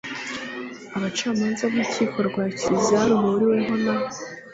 abacamanza b urukiko rwa kiliziya ruhuriweho na